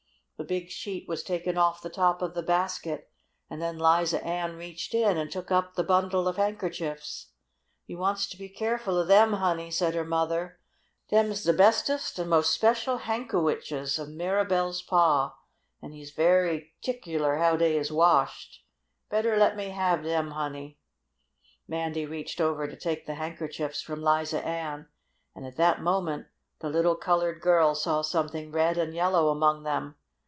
The big sheet was taken off the top of the basket, and then Liza Ann reached in and took up the bundle of handkerchiefs. "You wants to be keerful o' dem, honey," said her mother. "Dem's de bestest an' most special hankowitches o' Mirabell's pa, an' he's very 'tickler how dey is washed. Better let me have dem, honey." Mandy reached over to take the handkerchiefs from Liza Ann, and at that moment the little colored girl saw something red and yellow among them.